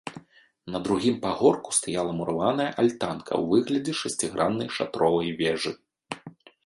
На другім пагорку стаяла мураваная альтанка ў выглядзе шасціграннай шатровай вежы.